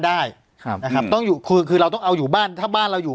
ได้ครับนะครับต้องอยู่คือคือเราต้องเอาอยู่บ้านถ้าบ้านเราอยู่